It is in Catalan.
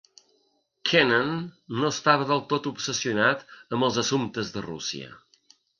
Kennan no estava del tot obsessionat amb els assumptes de Rússia.